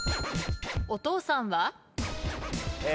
お父さんは？え。